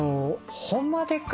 『ホンマでっか！？